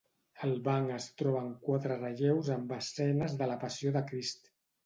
Al banc es troben quatre relleus amb escenes de la Passió de Crist.